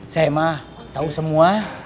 saya mah tau semua